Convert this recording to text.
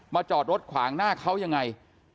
จอดรถขวางหน้าเขายังไง